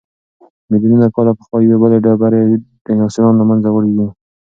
ملیونونه کاله پخوا یوې بلې ډبرې ډیناسوران له منځه وړي وو.